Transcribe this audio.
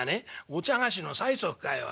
「お茶菓子の催促かよおい。